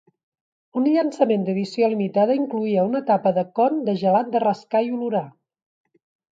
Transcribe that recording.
Un llançament d'edició limitada incloïa una tapa de con de gelat de rascar i olorar.